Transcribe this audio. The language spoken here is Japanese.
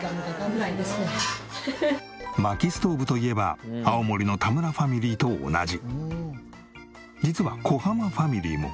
薪ストーブといえば青森の田村ファミリーと同じ。